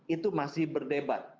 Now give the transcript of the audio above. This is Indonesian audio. itu masih berdebat